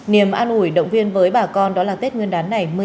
niềm an ủi động viên với bà con đó là tết nguyên đán này